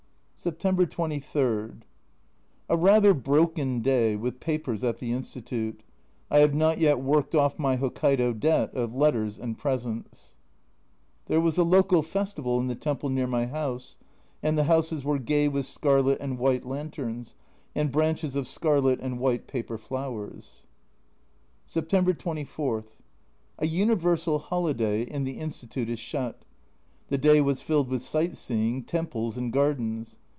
September 23. A rather broken day with papers at the Institute. I have not yet worked off my Hokkaido debt of letters and presents. (c 128) D 34 A Journal from Japan There was a local festival in the temple near my house, and the houses were gay with scarlet and white lanterns, and branches of scarlet and white paper flowers. September 24. A universal holiday, and the In stitute is shut. The day was filled with sight seeing, temples and gardens.